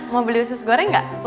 mau beli usus goreng nggak